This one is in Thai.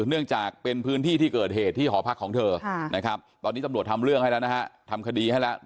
เนื่องจากเป็นพื้นที่ที่เกิดเหตุที่หอพรรคของเธอตอนนี้ตำรวจทำคดีให้แล้ว